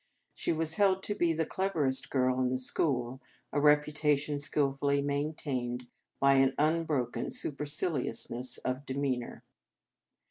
She was held to be the cleverest girl in the school, a reputation skilfully main tained by an unbroken supercilious ness of demeanour.